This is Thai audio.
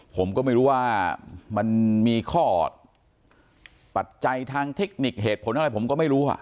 ผมก็ไม่รู้ว่ามันมีข้อปัจจัยทางเทคนิคเหตุผลอะไรผมก็ไม่รู้